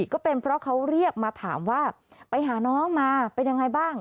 ก็เป็นเพราะเขาเรียกมาถามว่าไปหาน้องมาเป็นยังไงบ้าง